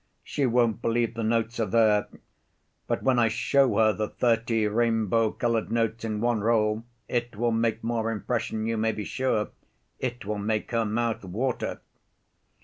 'She won't believe the notes are there, but when I show her the thirty rainbow‐colored notes in one roll, it will make more impression, you may be sure, it will make her mouth water.